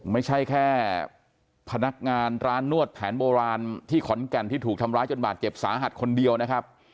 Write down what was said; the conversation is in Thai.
ไม่ใช่แค่พนักงานร้านนวดแผนโบราณที่ขอนแก่นที่ถูกทำร้ายจนบาดเจ็บสาหัสคนเดียวนะครับ